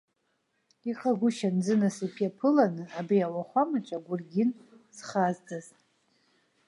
Иҟагәышьан зынасыԥ иаԥыланы, абри ауахәамаҿы агәыргьын зхазҵаз.